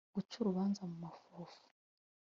guca urubanza mu mafufu